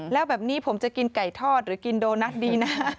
แล้วแบบนี้ผมจะกินไก่ทอดหรือกินโดนัทดีนะ